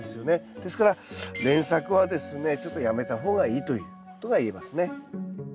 ですから連作はですねちょっとやめた方がいいということが言えますね。